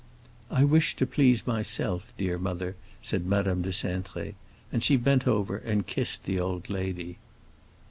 "I wish to please myself, dear mother," said Madame de Cintré. And she bent over and kissed the old lady.